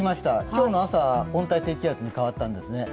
今日の朝、温帯低気圧に変わったんですね。